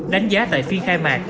đánh giá tại phiên khai mạc